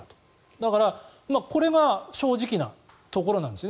だからこれが正直なところなんですね。